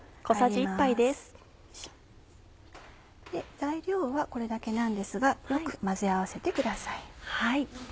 材料はこれだけなんですがよく混ぜ合わせてください。